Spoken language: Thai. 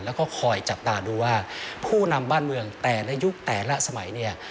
แล้วก็คอยจับตาดูว่าผู้นำบ้านเมืองแต่ละยุคแต่ละสมัยเนี่ย